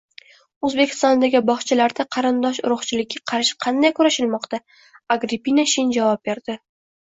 O‘zbekistondagi bog‘chalarda qarindosh-urug‘chilikka qarshi qanday kurashilmoqda? Agrippina Shin javob berdi